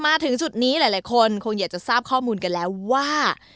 มาถึงจุดนี้หลายคนคงอยากจะทราบข้อมูลกันแล้วว่า